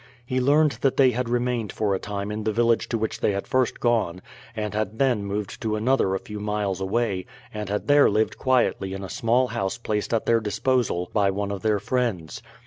He learned that they had remained for a time in the village to which they had first gone, and had then moved to another a few miles away, and had there lived quietly in a small house placed at their disposal by one of their friends.